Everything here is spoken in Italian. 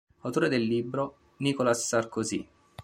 Autore del libro "Nicolas Sarkozy.